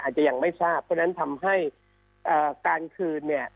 อาจจะยังไม่ทราบเพราะฉะนั้นทำให้การคืนเนี่ย